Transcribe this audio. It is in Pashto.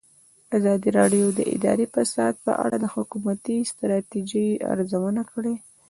ازادي راډیو د اداري فساد په اړه د حکومتي ستراتیژۍ ارزونه کړې.